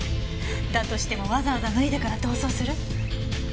だとしてもわざわざ脱いでから逃走する？